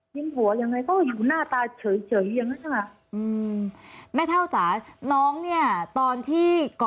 ยิ้มหัวอย่างไรเขาอยู่หน้าตาเฉยอย่างนั้นใช่ไหม